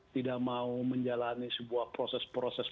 tidak mau menjalani sebuah proses proses